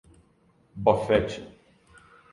Bofete